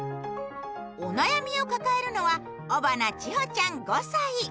お悩みを抱えるのは尾花千穂ちゃん５歳。